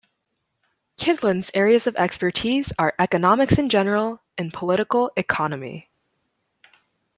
Kydland's areas of expertise are economics in general and political economy.